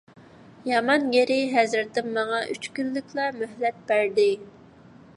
يامان يېرى، ھەزرىتىم ماڭا ئۈچ كۈنلۈكلا مۆھلەت بەردى.